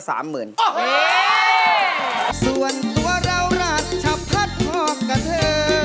ส่วนตัวเราราชพัดพ่อกับเธอ